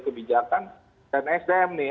kebijakan dan sdm nih